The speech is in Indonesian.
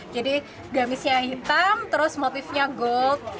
jadi gamisnya hitam terus motifnya gold